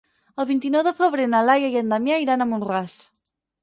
El vint-i-nou de febrer na Laia i en Damià iran a Mont-ras.